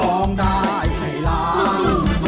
ร้องได้ให้ล้าน